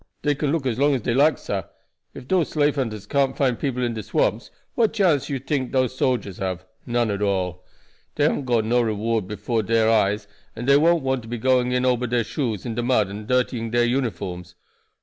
"Dey can look as long as dey like, sah. Ef dose slave hunters can't find people in de swamps what chance you tink dose soldiers have? None at all. Dey haven't got no reward before dere eyes, and dey won't want to be going in ober dere shoes into de mud and dirtying dere uniforms.